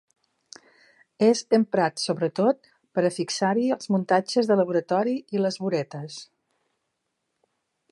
És emprat sobretot per a fixar-hi els muntatges de laboratori i les buretes.